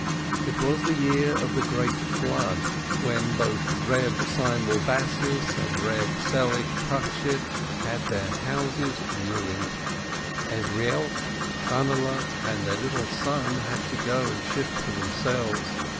It was the year of the great flood, when both Eeb Seinwill Bassis and Eeb Selig Tachshit had their houses ruined. Ezrielk, Channehle, and their little son had to go and shift for themselves.